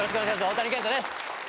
大谷健太です。